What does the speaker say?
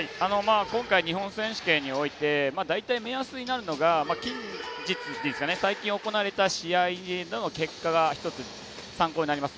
今回、日本選手権において大体、目安になるのが最近行われた試合などの結果が一つ、参考になります。